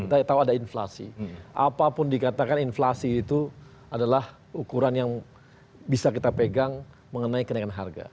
saya tahu ada inflasi apapun dikatakan inflasi itu adalah ukuran yang bisa kita pegang mengenai kenaikan harga